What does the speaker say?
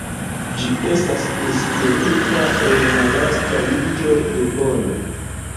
Ĝi estas inspirita el la lasta juĝo de Bono.